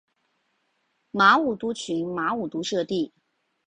马武督群马武督社地。